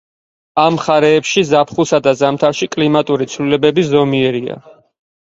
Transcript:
ამ მხარეებში ზაფხულსა და ზამთარში კლიმატური ცვლილებები ზომიერია.